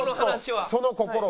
その心は？